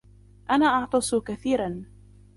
أنا أعْطُس كثيراً.